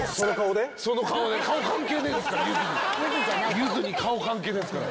ゆずに顔関係ないですから。